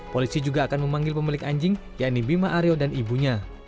polisi juga akan memanggil pemilik anjing yakni bima aryo dan ibunya